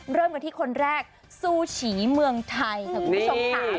เริ่มกันที่คนแรกซูฉีเมืองไทยค่ะคุณผู้ชมค่ะ